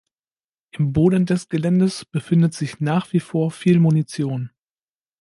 Im Boden des Geländes befindet sich nach wie vor viel Munition.